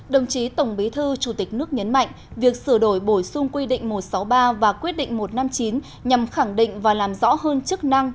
đồng chí tổng bí thư chủ tịch nước nhấn mạnh việc sửa đổi bổ sung quy định một trăm sáu mươi ba và quyết định một trăm năm mươi chín nhằm khẳng định và làm rõ hơn chức năng